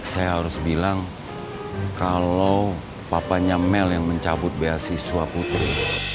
saya harus bilang kalau papanya mel yang mencabut beasiswa putri